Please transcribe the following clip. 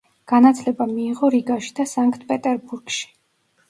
განათლება მიიღო რიგაში და სანქტ-პეტერბურგში.